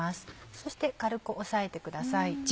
そして軽く押さえてください。